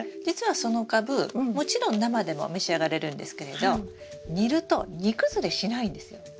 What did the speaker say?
実はそのカブもちろん生でも召し上がれるんですけれど煮ると煮崩れしないんですよ。